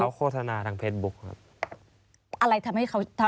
เขาโฆษณาทางเฟซบุ๊คครับ